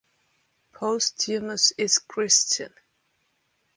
Posthumus is Christian.